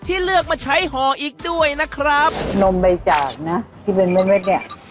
ที่เลือกมาใช้หออีกด้วยนะครับนมใบจากน่ะที่เป็นเว้นเว้นเนี้ย